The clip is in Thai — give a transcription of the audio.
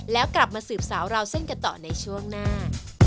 แล้วกลับมาสืบสาวราวเส้นกันต่อในช่วงหน้า